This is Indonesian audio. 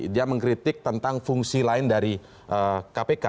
dia mengkritik tentang fungsi lain dari kpk